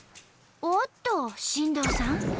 おっと新藤さん